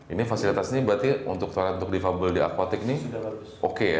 ini fasilitas ini berarti untuk toilet untuk defable di aquatic ini oke ya